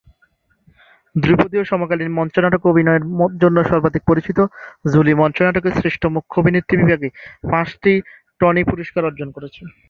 ধ্রুপদী ও সমকালীন মঞ্চনাটকে অভিনয়ের জন্য সর্বাধিক পরিচিত জুলি মঞ্চনাটকে শ্রেষ্ঠ মুখ্য অভিনেত্রী বিভাগে পাঁচটি টনি পুরস্কার অর্জন করেছেন।